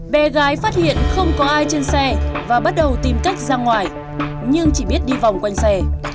bé gái phát hiện không có ai trên xe và bắt đầu tìm cách ra ngoài nhưng chỉ biết đi vòng quanh xe